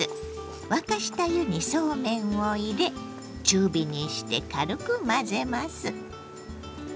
沸かした湯にそうめんを入れ中火にして軽く混ぜます。